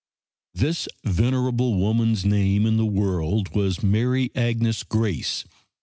This venerable woman's name in the world was Mary Agnes Grace.